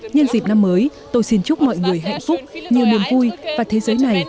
nhân dịp năm mới tôi xin chúc mọi người hạnh phúc nhiều niềm vui và thế giới này